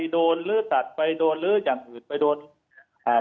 สมมุติจากคนไปโดนอย่างอื่นอัลลาร์